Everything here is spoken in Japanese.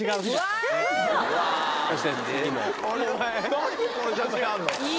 何でこの写真あるの？